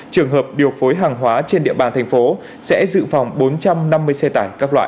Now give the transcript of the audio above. trường hợp điều phối hàng hóa trên địa bàn thành phố sẽ dự phòng bốn trăm năm mươi xe tải các loại